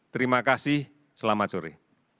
terima kasih selamat sore